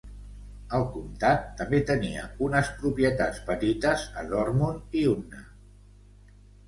El comtat també tenia unes propietats petites a Dortmund i Unna.